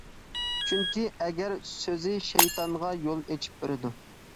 چۈنكى، «ئەگەر» سۆزى شەيتانغا يول ئېچىپ بېرىدۇ.